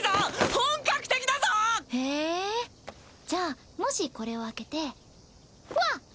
じゃあもしこれを開けてわっ！